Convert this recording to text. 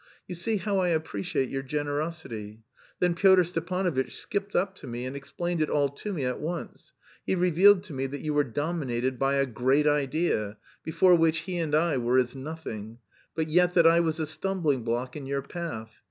You see how I appreciate your generosity. Then Pyotr Stepanovitch skipped up to me and explained it all to me at once. He revealed to me that you were dominated by a 'great idea,' before which he and I were as nothing, but yet that I was a stumbling block in your path.